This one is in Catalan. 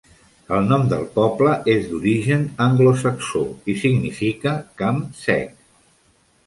El nom del poble és d'origen anglosaxó i significa "camp sec".